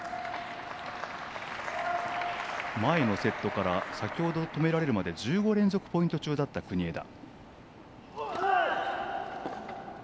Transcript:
前のセットから先ほど止められるまで１５連続ポイント中だった国枝。